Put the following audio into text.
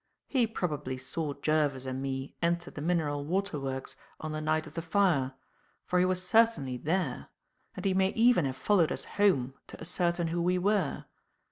He probably saw Jervis and me enter the mineral water works on the night of the fire, for he was certainly there; and he may even have followed us home to ascertain who we were.